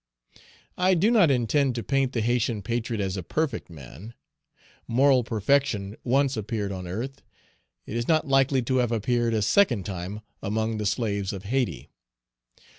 I do not intend to paint the Haytian patriot as a perfect man. Moral perfection once appeared on earth. It is not likely to have appeared a second time among the slaves of Hayti.